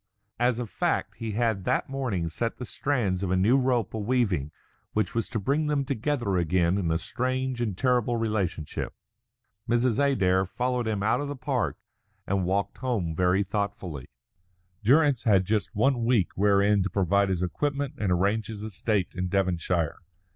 As a fact he had that morning set the strands of a new rope a weaving which was to bring them together again in a strange and terrible relationship. Mrs. Adair followed him out of the park, and walked home very thoughtfully. Durrance had just one week wherein to provide his equipment and arrange his estate in Devonshire.